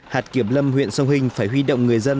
hạt kiểm lâm huyện sông hình phải huy động người dân